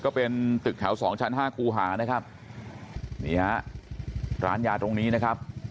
ก็เป็นตึกแถวสองชั้นห้าครูหานะครับนี่ฮะร้านยาตรงนี้นะครับ